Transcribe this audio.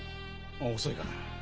遅いから。